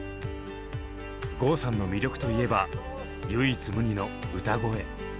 郷さんの魅力といえば「唯一無二の歌声」。